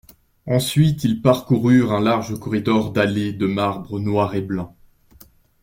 Ensuite ils parcoururent un large corridor dallé de marbre noir et blanc.